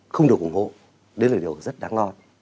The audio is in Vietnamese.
không được ủng hộ đấy là điều rất đáng lo